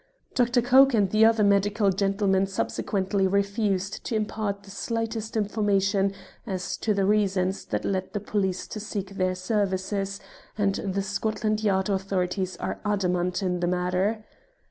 "Dr. Coke and the other medical gentlemen subsequently refused to impart the slightest information as to the reasons that led the police to seek their services, and the Scotland Yard authorities are adamant in the matter.